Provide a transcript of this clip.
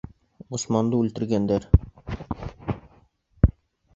Ғосманды үлтергәндәр.